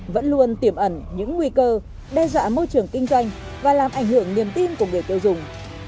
vẫn luôn tiềm ẩn những nguy cơ đe dọa môi trường kinh doanh và làm ảnh hưởng niềm tin của người tiêu dùng